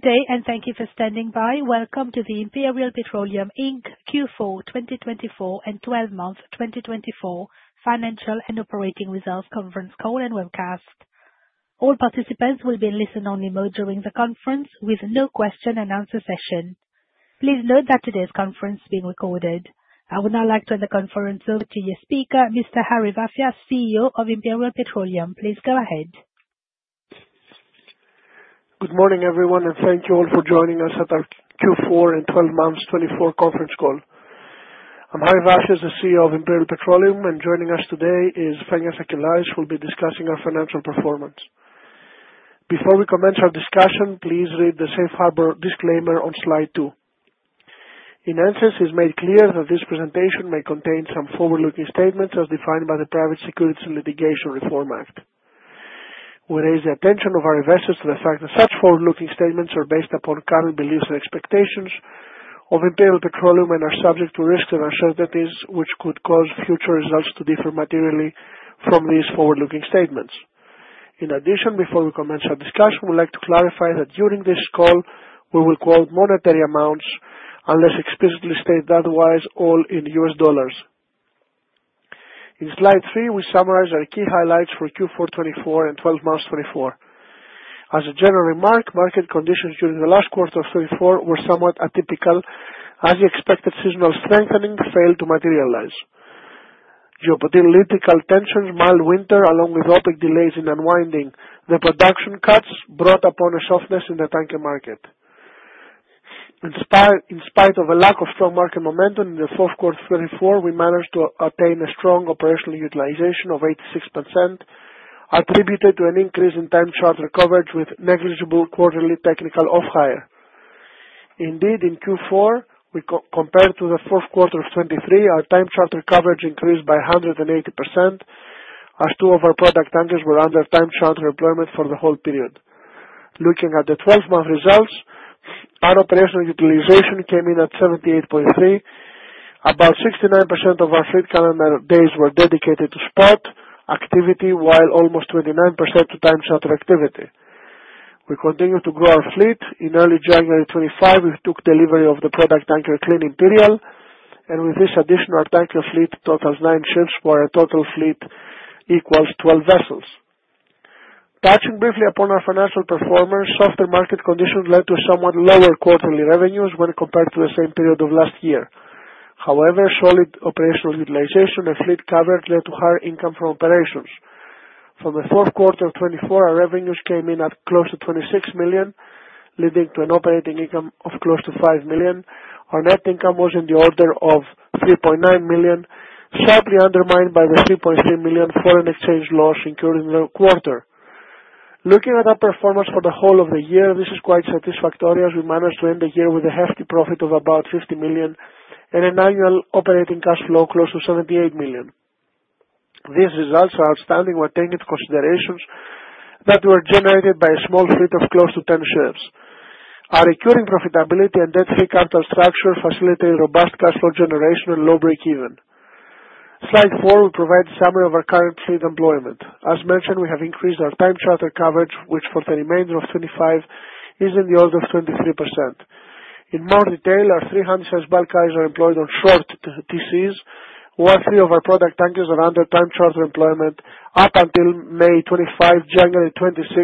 Good day, and thank you for standing by. Welcome to the Imperial Petroleum Inc. Q4 2024 and 12-month 2024 financial and operating results conference call and webcast. All participants will be in listen-only mode during the conference, with no question-and-answer session. Please note that today's conference is being recorded. I would now like to hand the conference over to your speaker, Mr. Harry Vafias, CEO of Imperial Petroleum. Please go ahead. Good morning, everyone, and thank you all for joining us at our Q4 and 12 months 2024 conference call. I'm Harry Vafias, the CEO of Imperial Petroleum, and joining us today is Fenia Sakellari, who will be discussing our financial performance. Before we commence our discussion, please read the safe harbor disclaimer on slide two. In essence, it is made clear that this presentation may contain some forward-looking statements as defined by the Private Securities and Litigation Reform Act. We raise the attention of our investors to the fact that such forward-looking statements are based upon current beliefs and expectations of Imperial Petroleum and are subject to risks and uncertainties which could cause future results to differ materially from these forward-looking statements. In addition, before we commence our discussion, we would like to clarify that during this call, we will quote monetary amounts unless explicitly stated otherwise, all in U.S. dollars. In slide three, we summarize our key highlights for Q4 2024 and 2024. As a general remark, market conditions during the last quarter of 2024 were somewhat atypical, as the expected seasonal strengthening failed to materialize. Geopolitical tensions, mild winter, along with OPEC delays in unwinding the production cuts, brought upon a softness in the tanker market. In spite of a lack of strong market momentum in the fourth quarter of 2024, we managed to attain a strong operational utilization of 86%, attributed to an increase in time charter recovery with negligible quarterly technical off-hire. Indeed, in Q4, compared to the fourth quarter of 2023, our time charter recovery increased by 180% as two of our product tankers were under time charter employment for the whole period. Looking at the 12-month results, our operational utilization came in at 78.3%. About 69% of our fleet calendar days were dedicated to spot activity, while almost 29% to time charter activity. We continued to grow our fleet. In early January 2025, we took delivery of the product tanker Clean Imperial, and with this addition, our tanker fleet totals nine ships, while our total fleet equals 12 vessels. Touching briefly upon our financial performance, softer market conditions led to somewhat lower quarterly revenues when compared to the same period of last year. However, solid operational utilization and fleet coverage led to higher income from operations. From the fourth quarter of 2024, our revenues came in at close to $26 million, leading to an operating income of close to $5 million. Our net income was in the order of $3.9 million, slightly undermined by the $3.3 million foreign exchange loss incurred in the quarter. Looking at our performance for the whole of the year, this is quite satisfactory, as we managed to end the year with a hefty profit of about $50 million and an annual operating cash flow close to $78 million. These results are outstanding when taken into consideration that they were generated by a small fleet of close to 10 ships. Our recurring profitability and debt-free capital structure facilitate robust cash flow generation and low break-even. Slide four will provide a summary of our current fleet employment. As mentioned, we have increased our time charter coverage, which for the remainder of 2025 is in the order of 23%. In more detail, our Handysize bulk carriers are employed on short TCs, while three of our product tankers are under time charter employment up until May 2025, January 2026,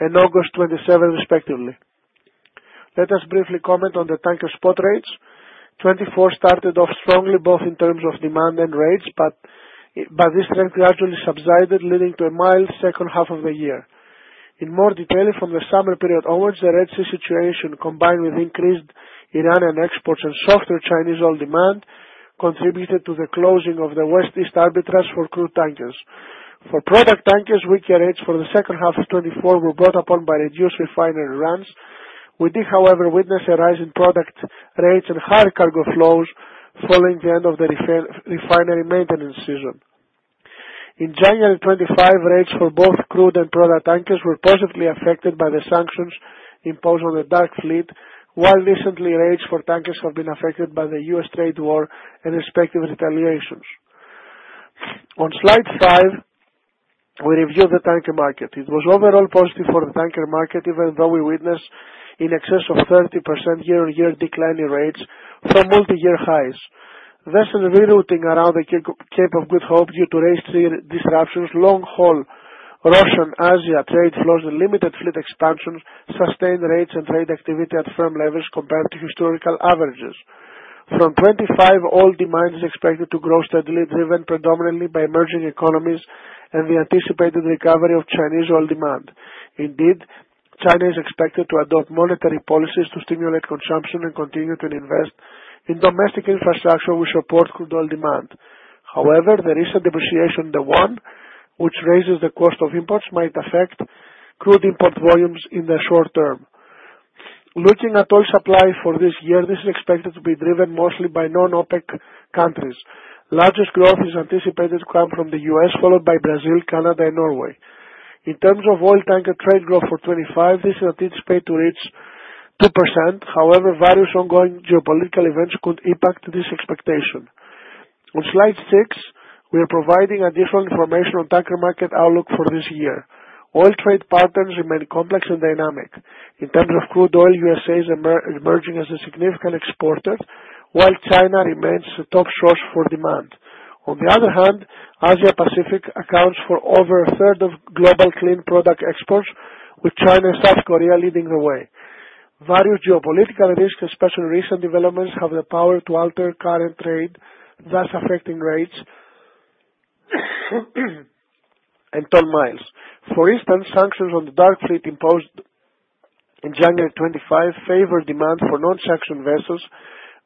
and August 2027, respectively. Let us briefly comment on the tanker spot rates. 2024 started off strongly, both in terms of demand and rates, but this trend gradually subsided, leading to a mild second half of the year. In more detail, from the summer period onwards, the Red Sea situation, combined with increased Iranian exports and softer Chinese oil demand, contributed to the closing of the West-East arbitrage for crude tankers. For product tankers, weaker rates for the second half of 2024 were brought upon by reduced refinery runs. We did, however, witness a rise in product rates and higher cargo flows following the end of the refinery maintenance season. In January 2025, rates for both crude and product tankers were positively affected by the sanctions imposed on the dark fleet, while recently rates for tankers have been affected by the U.S. trade war and respective retaliations. On slide five, we reviewed the tanker market. It was overall positive for the tanker market, even though we witnessed an excess of 30% year-on-year declining rates from multi-year highs. This is rerouting around the Cape of Good Hope due to Red Sea disruptions, long-haul Russian-Asia trade flows, and limited fleet expansions sustained rates and trade activity at firm levels compared to historical averages. From 2025, oil demand is expected to grow steadily, driven predominantly by emerging economies and the anticipated recovery of Chinese oil demand. Indeed, China is expected to adopt monetary policies to stimulate consumption and continue to invest in domestic infrastructure which supports crude oil demand. However, the recent depreciation in the yuan, which raises the cost of imports, might affect crude import volumes in the short term. Looking at oil supply for this year, this is expected to be driven mostly by non-OPEC countries. Largest growth is anticipated to come from the U.S., followed by Brazil, Canada, and Norway. In terms of oil tanker trade growth for 2025, this is anticipated to reach 2%. However, various ongoing geopolitical events could impact this expectation. On slide six, we are providing additional information on tanker market outlook for this year. Oil trade patterns remain complex and dynamic. In terms of crude oil, U.S.A. is emerging as a significant exporter, while China remains the top source for demand. On the other hand, Asia-Pacific accounts for over a third of global clean product exports, with China and South Korea leading the way. Various geopolitical risks, especially recent developments, have the power to alter current trade, thus affecting rates and ton-miles. For instance, sanctions on the dark fleet imposed in January 2025 favor demand for non-sanctioned vessels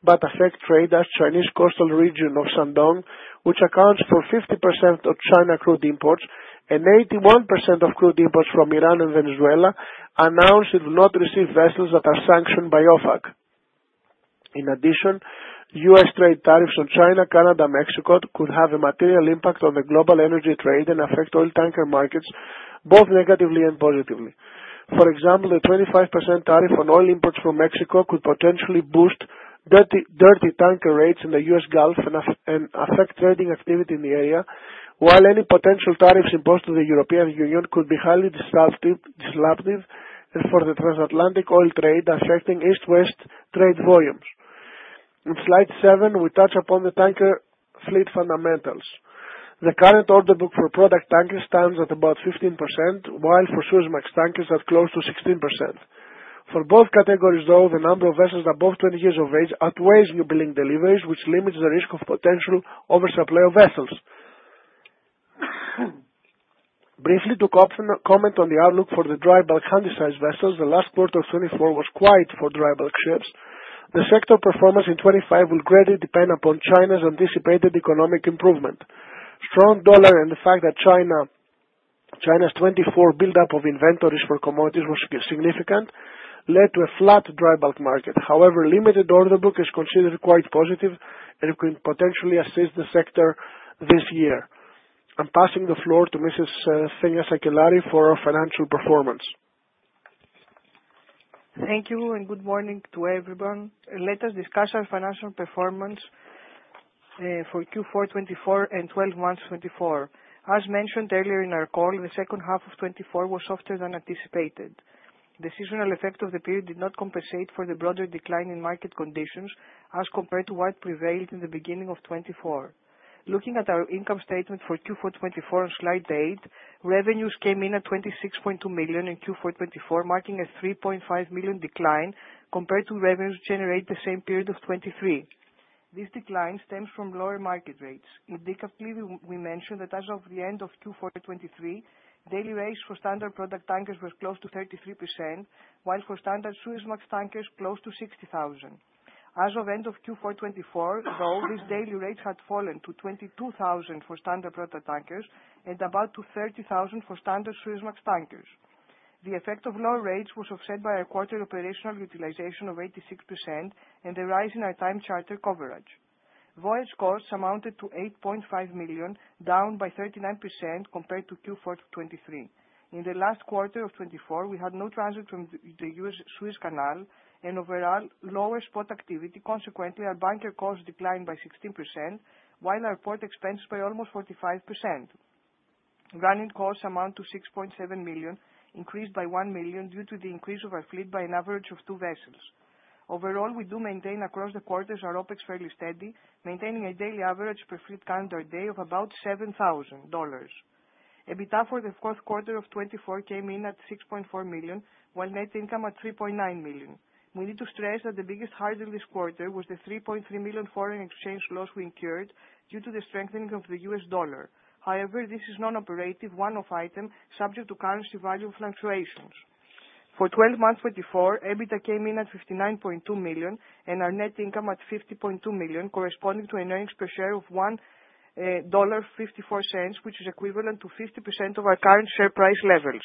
but affect trade, as the Chinese coastal region of Shandong, which accounts for 50% of China's crude imports and 81% of crude imports from Iran and Venezuela, announced it will not receive vessels that are sanctioned by OFAC. In addition, U.S. trade tariffs on China, Canada, and Mexico could have a material impact on the global energy trade and affect oil tanker markets both negatively and positively. For example, a 25% tariff on oil imports from Mexico could potentially boost dirty tanker rates in the U.S. Gulf and affect trading activity in the area, while any potential tariffs imposed on the European Union could be highly disruptive for the transatlantic oil trade, affecting East-West trade volumes. On slide seven, we touch upon the tanker fleet fundamentals. The current order book for product tankers stands at about 15%, while for Suezmax tankers at close to 16%. For both categories, though, the number of vessels above 20 years of age outweighs newbuilding deliveries, which limits the risk of potential oversupply of vessels. Briefly, to comment on the outlook for the dry bulk Handysize vessels, the last quarter of 2024 was quiet for dry bulk ships. The sector performance in 2025 will greatly depend upon China's anticipated economic improvement. Strong dollar and the fact that China's 2024 build-up of inventories for commodities was significant led to a flat dry bulk market. However, limited order book is considered quite positive and could potentially assist the sector this year. I'm passing the floor to Mrs. Fenia Sakellari for our financial performance. Thank you, and good morning to everyone. Let us discuss our financial performance for Q4 2024 and 12 months 2024. As mentioned earlier in our call, the second half of 2024 was softer than anticipated. The seasonal effect of the period did not compensate for the broader decline in market conditions as compared to what prevailed in the beginning of 2024. Looking at our income statement for Q4 2024 on slide eight, revenues came in at $26.2 million in Q4 2024, marking a $3.5 million decline compared to revenues generated the same period of 2023. This decline stems from lower market rates. Indicatively, we mentioned that as of the end of Q4 2023, daily rates for standard product tankers were close to 33%, while for standard Suezmax tankers, close to $60,000. As of end of Q4 2024, though, these daily rates had fallen to $22,000 for standard product tankers and about to $30,000 for standard Suezmax tankers. The effect of lower rates was offset by our quarterly operational utilization of 86% and the rise in our time charter coverage. Voyage costs amounted to $8.5 million, down by 39% compared to Q4 2023. In the last quarter of 2024, we had no transit from the U.S.-Suez Canal and overall lower spot activity. Consequently, our bunker costs declined by 16%, while our port expenses by almost 45%. Running costs amount to $6.7 million, increased by $1 million due to the increase of our fleet by an average of two vessels. Overall, we do maintain across the quarters our OpEx fairly steady, maintaining a daily average per fleet calendar day of about $7,000. EBITDA for the fourth quarter of 2024 came in at $6.4 million, while net income at $3.9 million. We need to stress that the biggest hurdle this quarter was the $3.3 million foreign exchange loss we incurred due to the strengthening of the U.S. dollar. However, this is a non-operative, one-off item subject to currency value fluctuations. For December 2024, EBITDA came in at $59.2 million and our net income at $50.2 million, corresponding to an earnings per share of $1.54, which is equivalent to 50% of our current share price levels.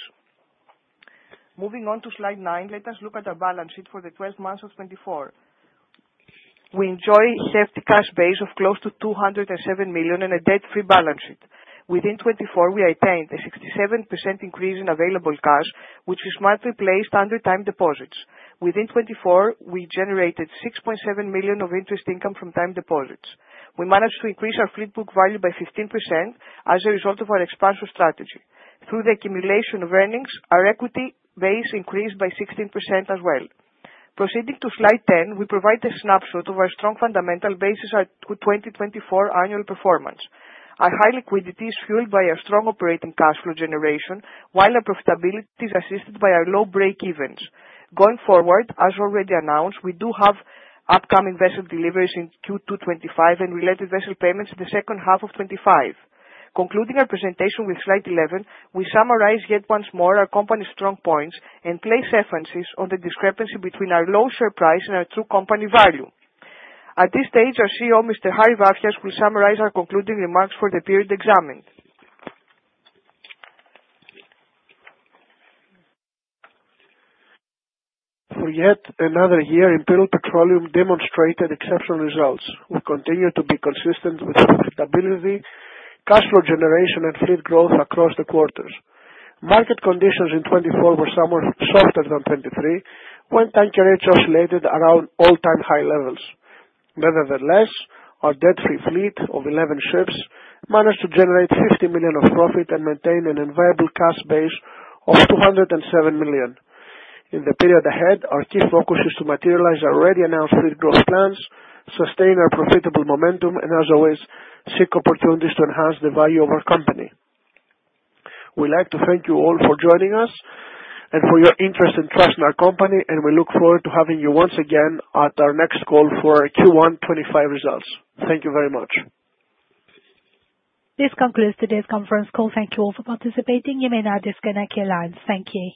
Moving on to slide nine, let us look at our balance sheet for the 12 months of 2024. We enjoy a hefty cash base of close to $207 million and a debt-free balance sheet. Within 2024, we attained a 67% increase in available cash, which is smartly placed under time deposits. Within 2024, we generated $6.7 million of interest income from time deposits. We managed to increase our fleet book value by 15% as a result of our expansion strategy. Through the accumulation of earnings, our equity base increased by 16% as well. Proceeding to slide 10, we provide a snapshot of our strong fundamental basis for 2024 annual performance. Our high liquidity is fueled by our strong operating cash flow generation, while our profitability is assisted by our low break-evens. Going forward, as already announced, we do have upcoming vessel deliveries in Q2 2025 and related vessel payments in the second half of 2025. Concluding our presentation with slide eleven, we summarize yet once more our company's strong points and place emphasis on the discrepancy between our low share price and our true company value. At this stage, our CEO, Mr. Harry Vafias will summarize our concluding remarks for the period examined. For yet another year, Imperial Petroleum demonstrated exceptional results. We continue to be consistent with profitability, cash flow generation, and fleet growth across the quarters. Market conditions in 2024 were somewhat softer than 2023, when tanker rates oscillated around all-time high levels. Nevertheless, our debt-free fleet of 11 ships managed to generate $50 million of profit and maintain an enviable cash base of $207 million. In the period ahead, our key focus is to materialize our already announced fleet growth plans, sustain our profitable momentum, and, as always, seek opportunities to enhance the value of our company. We'd like to thank you all for joining us and for your interest and trust in our company, and we look forward to having you once again at our next call for Q1 2025 results. Thank you very much. This concludes today's conference call. Thank you all for participating. You may now disconnect your lines. Thank you.